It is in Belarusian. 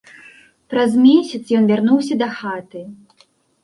Праз месяц ён вярнуўся дахаты.